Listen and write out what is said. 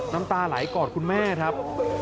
น้ำตาไหลกอดคุณแม่ครับ